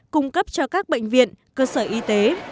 cung cấp cho các bệnh viện cơ sở y tế